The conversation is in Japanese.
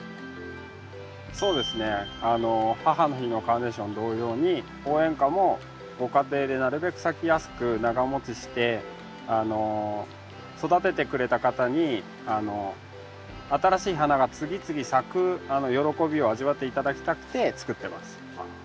そうですね母の日のカーネーション同様に応援花もご家庭でなるべく咲きやすく長もちして育ててくれた方に新しい花が次々咲く喜びを味わって頂きたくてつくってます。